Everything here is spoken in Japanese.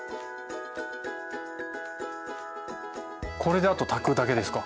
これであと炊くだけですか。